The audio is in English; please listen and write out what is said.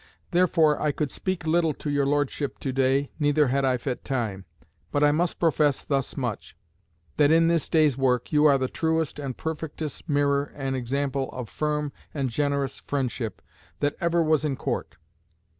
Therefore I could speak little to your Lordship to day, neither had I fit time; but I must profess thus much, that in this day's work you are the truest and perfectest mirror and example of firm and generous friendship that ever was in court.